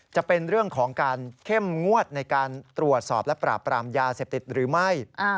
จะเป็นเรื่องของการเข้มงวดในการตรวจสอบและปราบปรามยาเสพติดหรือไม่